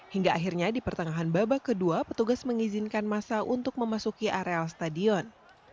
hingga akhirnya di pertengahan babak kedua petugas mengizinkan masa untuk memasuki areal stadion